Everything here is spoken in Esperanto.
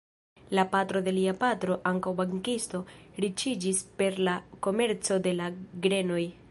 La patro de lia patro, ankaŭ bankisto, riĉiĝis per la komerco de la grenoj.